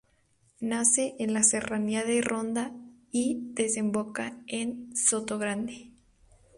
Nace en la Serranía de Ronda y desemboca en Sotogrande.